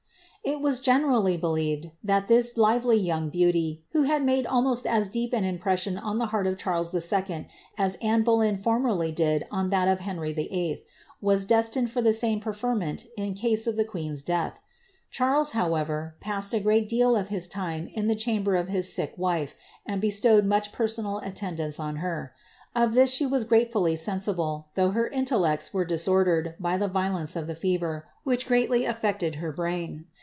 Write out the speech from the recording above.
''* It was generally believed that this lively young beauty, who had made almost as deep an impression on the heart of Charles II. as Anne Boleyn formerly did on that of Henry VIII., was destined for the same preferment in case of the queen's death.^ Charles, however, passed a great deal of his time in the chamber of his sick wife, and bestowed much personal attendance on her. Of this she was gratefully sensible, though her intellects were disordered by the violence of the fever, which greatly affected her brain.